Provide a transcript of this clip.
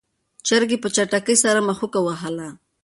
چرګې په چټکۍ سره مښوکه وهله.